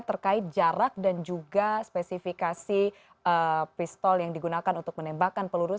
terkait jarak dan juga spesifikasi pistol yang digunakan untuk menembakkan peluru